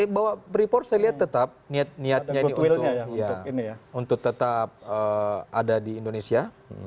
bahwa freeport saya lihat tetap niat niatnya untuk tetap ada di indonesia